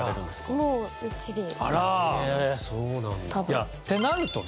いやってなるとね